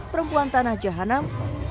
perempuan tanah jahanam